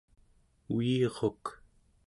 uiruk